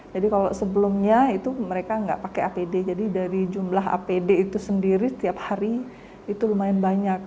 jadi kalau sebelumnya itu mereka nggak pakai apd jadi dari jumlah apd itu sendiri setiap hari itu lumayan banyak